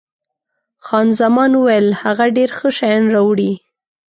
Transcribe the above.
خان زمان وویل، هغه ډېر ښه شیان راوړي.